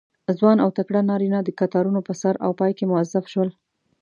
ځوان او تکړه نارینه د کتارونو په سر او پای کې موظف شول.